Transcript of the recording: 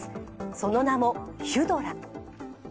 その名もヒュドラ。